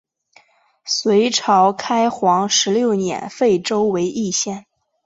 隋朝开皇十六年废州为易县。